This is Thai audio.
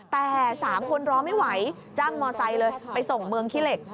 แต่๓คนรอไม่ไหวจ้างมอไซค์เลยไปส่งเมืองขี้เหล็ก